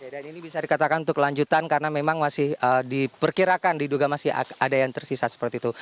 dan ini bisa dikatakan untuk lanjutan karena memang masih diperkirakan diduga masih ada yang tersisa seperti itu